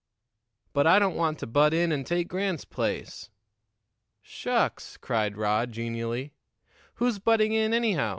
"But I don't want to butt in and take Grant's place." "Shucks!" cried Rod genially. "Who's butting in, anyhow?